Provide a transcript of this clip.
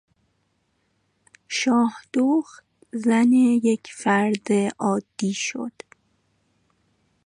شاهدخت زن یک فرد عادی شد.